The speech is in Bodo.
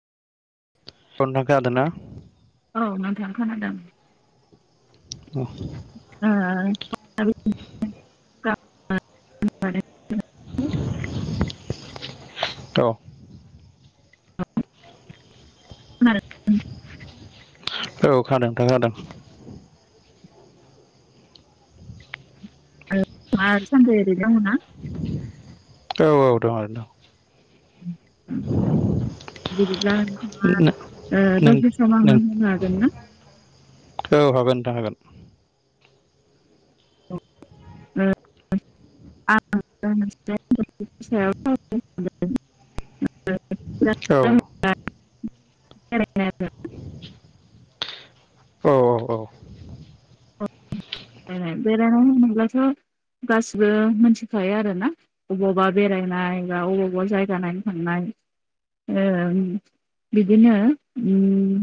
सनदांखो हादोना औ नोंथां खोनादों [unintelligible] ओओ [unintelligible] [unintelligible] औ खोनादों नोंथां खोनादों [unintelligible] एरैनो दङना औ औ दं ओरैनो दं बिदिब्ला नोंथाङा ओ‌ नों दसे सम नों आंनो होनो हागोन ना? औ हागोन नोंथां हागोन ओ [inaudible] औ औ औ औ बेरायनो होनोब्लाथ' गासिबो मोनथिखायो आरो ना अबावबा बेरायनाय बा अबावबा जायगा नायनो थांनाय ओम बिदिनो उम